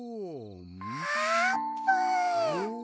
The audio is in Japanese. あーぷん！